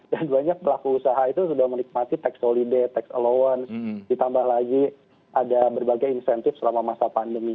banyak pelaku usaha itu sudah menikmati tax holiday tax allowance ditambah lagi ada berbagai insentif selama masa pandemi